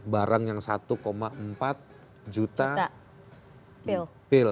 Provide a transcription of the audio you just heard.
barang yang satu empat juta pil